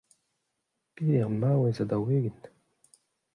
peder maouez ha daou-ugent.